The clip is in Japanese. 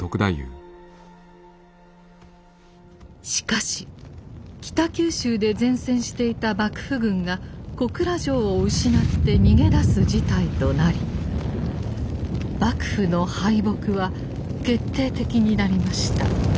しかし北九州で善戦していた幕府軍が小倉城を失って逃げ出す事態となり幕府の敗北は決定的になりました。